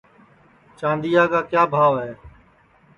چاندیا کا کیا بھاو ہے